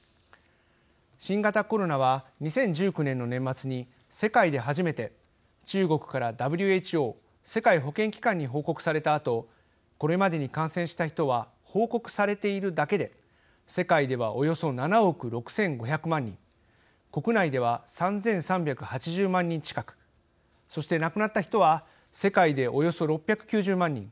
新型コロナは２０１９年の年末に世界で初めて中国からＷＨＯ＝世界保健機関に報告されたあとこれまでに感染した人は報告されているだけで世界ではおよそ７億６５００万人国内では３３８０万人近くそして、亡くなった人は世界でおよそ６９０万人。